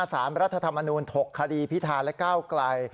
สามรัฐธรรมนูญถกคดีพิทารและก้าวกลาย